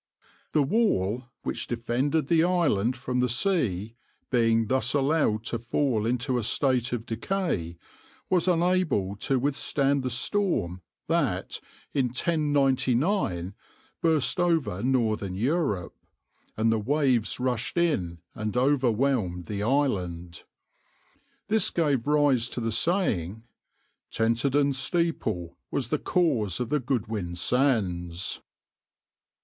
The wall, which defended the island from the sea, being thus allowed to fall into a state of decay, was unable to withstand the storm that, in 1099, burst over Northern Europe, and the waves rushed in and overwhelmed the island. This gave rise to the saying, "Tenterden steeple was the cause of the Goodwin Sands."